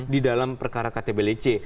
di dalam perkara ktblc